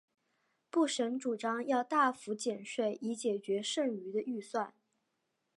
布什主张要大幅减税以解决剩余的预算。